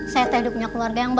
saya terhidupnya keluarga yang baru